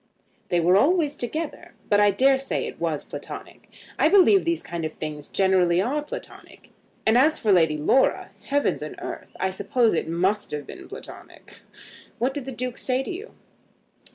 "They were always together, but I dare say it was Platonic. I believe these kind of things generally are Platonic. And as for Lady Laura; heavens and earth! I suppose it must have been Platonic. What did the Duke say to you?"